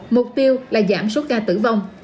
mục tiêu là giảm số ca tử vong